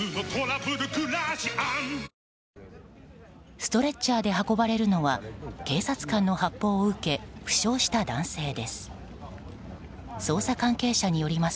ストレッチャーで運ばれるのは警察官の発砲を受け負傷した男性です。